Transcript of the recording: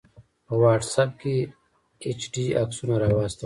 په واټس آپ کې یې ایچ ډي عکسونه راواستول